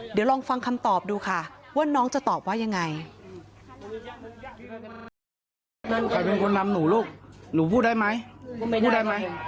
เดี๋ยวลองฟังคำตอบดูค่ะว่าน้องจะตอบว่ายังไง